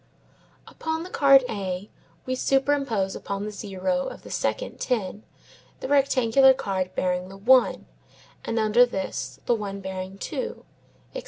Upon the card A we superimpose upon the zero of the second 10, the rectangular card bearing the 1: and under this the one bearing two, etc.